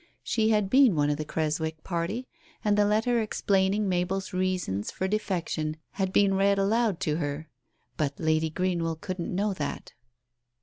She had been one of the Creswick party, and the letter explaining Mabel's reasons for defection had been read aloud to her. But Lady Greenwell couldn't know that.